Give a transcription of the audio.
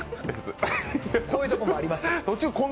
こういうのもあります。